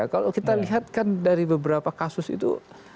kalau kita lihat kan dari beberapa kasus itu